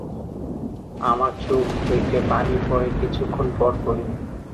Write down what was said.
আমার চোখ থেকে পানি পরে কিছুক্ষণ পরপরই।